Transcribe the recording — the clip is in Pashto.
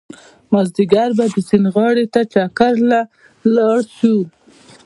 مازيګر به د سيند غاړې ته چکر له لاړ شو